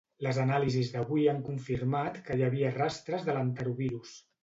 Les anàlisis d’avui han confirmat que hi havia rastres de l’enterovirus.